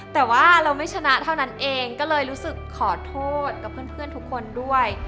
แต่ว่าเราไม่ชนะเท่านั้นเองก็เลยรู้สึกขอโทษกับเพื่อนทุกคนด้วย